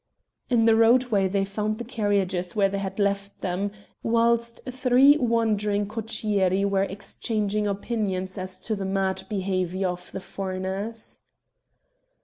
In the roadway they found the carriages where they had left them, whilst three wondering cocchieri were exchanging opinions as to the mad behaviour of the foreigners.